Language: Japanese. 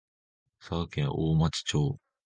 佐賀県大町町